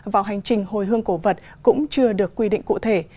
vào hành trình hồi hương cổ vật cũng chưa được quy định cụ thể